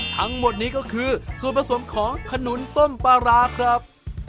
ทั้งหมดนี้ก็คือส่วนผสมของขนุนต้มปลาร้าครับ